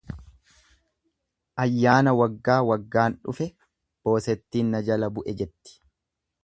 Ayyana waggaa waggaan dhufe boosettiin na jala bu'e jetti.